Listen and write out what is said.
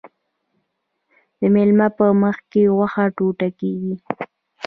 د میلمه په مخکې غوښه ټوټه کیږي.